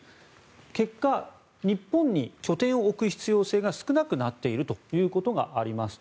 結果、日本に拠点を置く必要性が少なくなっているということがありますと。